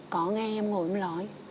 có nghe em ngồi nói